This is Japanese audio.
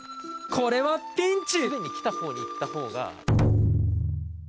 これはピンチ！